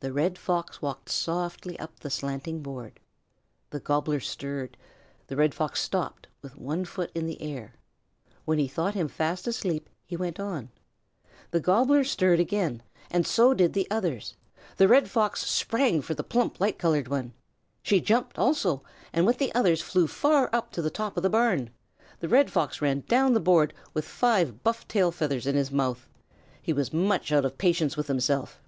The Red Fox walked softly up the slanting board. The Gobbler stirred. The Red Fox stopped with one foot in the air. When he thought him fast asleep he went on. The Gobbler stirred again and so did the others. The Red Fox sprang for the plump, light colored one. She jumped also, and with the others flew far up to the top of the barn. The Red Fox ran down the board with five buff tail feathers in his mouth. He was much out of patience with himself.